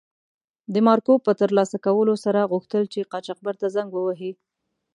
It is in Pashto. د مارکو په تر لاسه کولو سره غوښتل چې قاچاقبر ته زنګ و وهي.